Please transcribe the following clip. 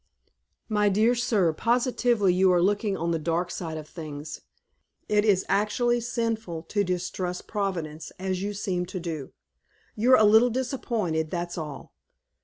"My dear sir, positively you are looking on the dark side of things. It is actually sinful to distrust Providence as you seem to do. You're a little disappointed, that's all.